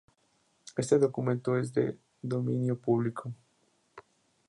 Este documento es de dominio público.